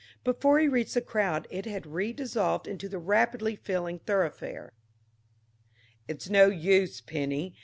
Before he reached the crowd it had redissolved into the rapidly filling thoroughfare. "It's no use, Penny.